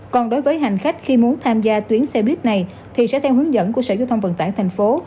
còn đối với hành khách khi muốn tham gia tuyến xe buýt này thì sẽ theo hướng dẫn của sở giao thông vận tải thành phố